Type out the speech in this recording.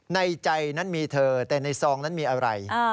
ในใจนั้นมีเธอแต่ในซองนั้นมีอะไร